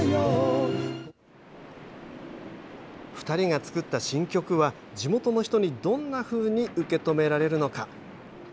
２人が作った新曲は地元の人にどんなふうに受け止められるのか。